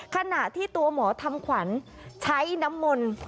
ขณะที่ตัวหมอทำขวัญใช้น้ำมนต์